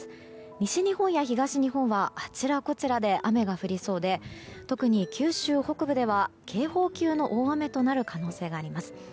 西日本や東日本はあちらこちらで雨が降りそうで特に九州北部では、警報級の大雨となる可能性があります。